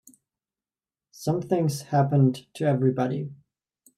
Something's happened to everybody.